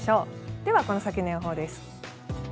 では、この先の予報です。